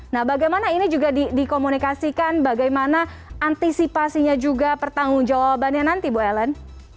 nah bagaimana ini juga dikomunikasikan bagaimana antisipasinya juga pertanggung jawabannya nanti bu ellen